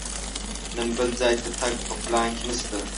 نن بل ځای ته تګ په پلان کې نه شته.